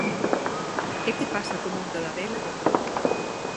E que pasa co mundo da vela?